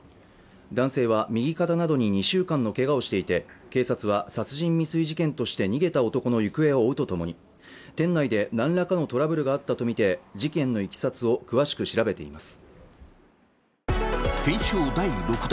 男性は右肩などに２週間のけがをしていて警察は殺人未遂事件として逃げた男の行方を追うとともに店内で何らかのトラブルがあったと見て事件のいきさつを詳しく調べています